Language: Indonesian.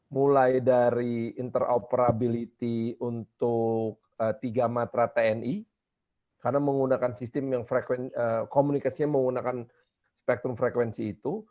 mulai dari interoperability untuk tiga matra tni karena menggunakan sistem yang komunikasinya menggunakan spektrum frekuensi itu